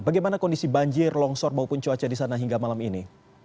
bagaimana kondisi banjir longsor maupun cuaca di sana hingga malam ini